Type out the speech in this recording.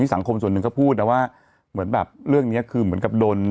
สังคมส่วนหนึ่งก็พูดนะว่าเหมือนแบบเรื่องนี้คือเหมือนกับโดน